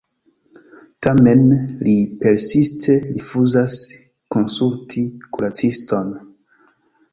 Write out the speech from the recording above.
Tamen li persiste rifuzas konsulti kuraciston.